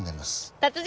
達人